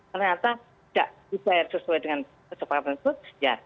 ternyata tidak dibayar sesuai dengan kesepakatan itu ya terkena sanksi